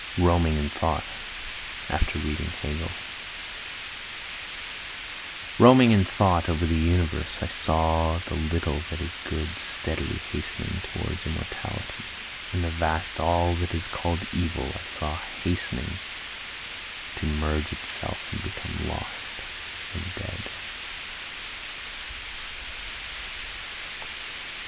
Roaming in Thought [After reading Hegel] Roaming in thought over the Universe, I saw the little that is Good steadily hastening towards immortality, And the vast all that is call'd Evil I saw hastening to merge itself and become lost and dead.